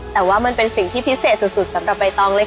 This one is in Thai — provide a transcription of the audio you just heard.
แต่ว่ามันเป็นสิ่งที่พิเศษสุดสำหรับใบตองเลยค่ะ